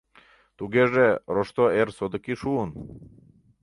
Тугеже, Рошто эр содыки шуын.